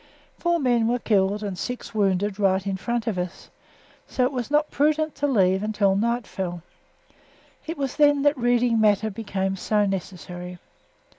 Four men were killed and six wounded right in front of us, so that it was not prudent to leave until night fell. It was then that reading matter became so necessary.